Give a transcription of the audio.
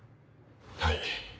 はい。